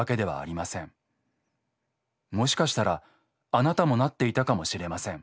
もしかしたらあなたもなっていたかもしれません。